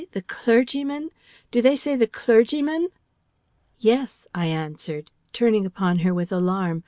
'The clergyman'? Do they say 'The clergyman'?" "Yes," I answered, turning upon her with alarm.